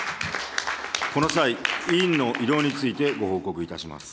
この際、委員の異動についてご報告いたします。